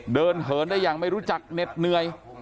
เหินได้อย่างไม่รู้จักเหน็ดเหนื่อย